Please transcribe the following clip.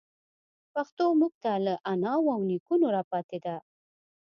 پښتو موږ ته له اناوو او نيکونو راپاتي ده.